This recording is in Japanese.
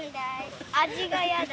味がやだ。